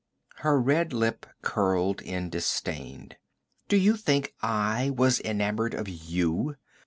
Her red lip curled in disdain. 'Do you think I was enamored of you?